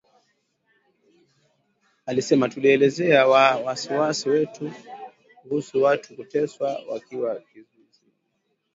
Alisema tulielezea wasiwasi wetu kuhusu watu kuteswa wakiwa kizuizini.